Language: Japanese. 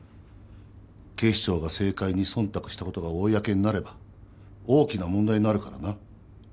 警視庁が政界に忖度したことが公になれば大きな問題になるからな。